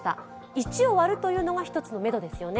１を割るというのが１つのめどですよね。